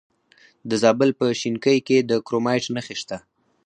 د زابل په شینکۍ کې د کرومایټ نښې شته.